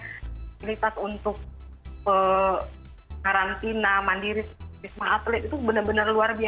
fasilitas untuk karantina mandiri wisma atlet itu benar benar luar biasa